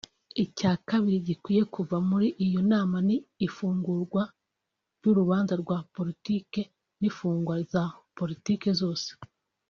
Icya kabiri gikwiye kuva muri iyo nama ni ifungurwa ry’urubaga rwa politike n’imfungwa za politike zose